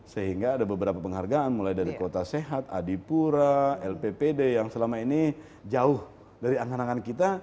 sehingga ada beberapa penghargaan mulai dari kota sehat adipura lppd yang selama ini jauh dari angan angan kita